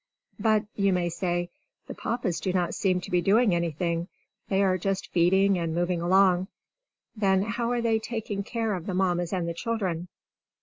But, you may say, the Papas do not seem to be doing anything; they are just feeding and moving along. Then how are they taking care of the Mammas and the children?